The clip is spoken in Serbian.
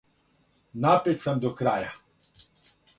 Напет сам до краја.